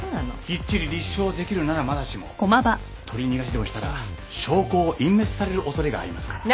きっちり立証できるならまだしも取り逃がしでもしたら証拠を隠滅される恐れがありますから。